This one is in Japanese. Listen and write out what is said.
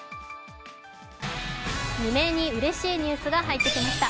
未明にうれしいニュースが入ってきました。